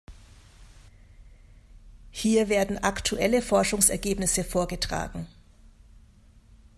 Hier werden aktuelle Forschungsergebnisse vorgetragen.